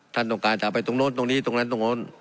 ท่านต้องการจะไปตรงโน้นตรงนี้ตรงนั้นตรงนู้น